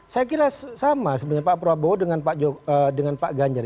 saya kira sama sebenarnya pak prabowo dengan pak ganjar